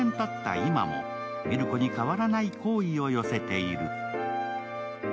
今も海松子に変わらない好意を寄せている。